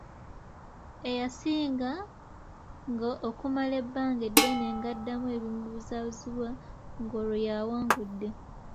Eyasinga nga okumala ebbanga eddene ng’addamu ebimubuuzibwa ng’olwo y’awangudde.